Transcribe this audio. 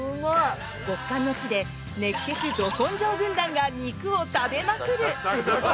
極寒の地で、熱血ど根性軍団が肉を食べまくる！